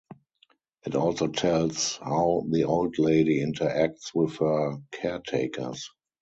It also tells how the old lady interacts with her caretakers.